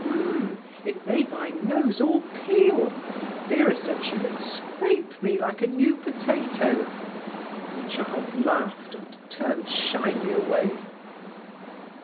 "Mm! It made my nose all peel. Vera said she would scrape me like a new potato." The child laughed and turned shyly away.